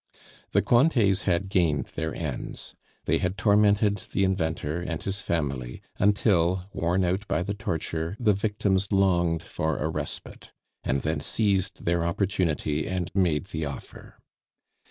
The Cointets had gained their ends. They had tormented the inventor and his family, until, worn out by the torture, the victims longed for a respite, and then seized their opportunity and made the offer.